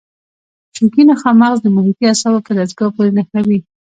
شوکي نخاع مغز د محیطي اعصابو په دستګاه پورې نښلوي.